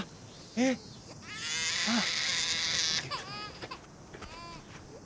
えっあっ。